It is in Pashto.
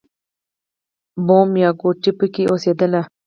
بوم یا ګواټي پکې اوسېدل.